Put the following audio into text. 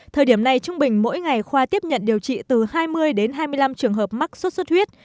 thời điểm này trung bình mỗi ngày khoa tiếp nhận điều trị từ hai mươi đến hai mươi năm trường hợp mắc sốt xuất huyết